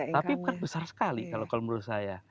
tapi kan besar sekali kalau menurut saya